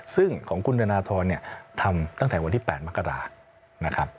ซึ่งของคุณธนทรเนี่ยทำตั้งแต่วันที่๘มกรานะครับ